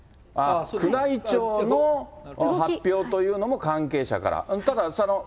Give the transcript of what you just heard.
宮内庁の発表というのも関係者から。